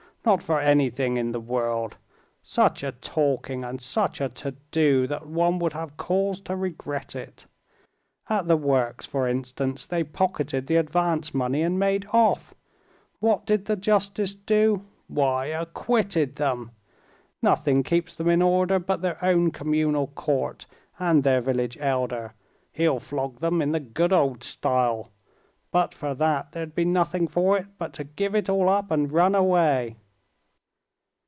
Not for anything in the world! Such a talking, and such a to do, that one would have cause to regret it. At the works, for instance, they pocketed the advance money and made off. What did the justice do? Why, acquitted them. Nothing keeps them in order but their own communal court and their village elder. He'll flog them in the good old style! But for that there'd be nothing for it but to give it all up and run away."